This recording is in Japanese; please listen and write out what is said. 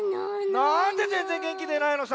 なんでぜんぜんげんきでないのさ。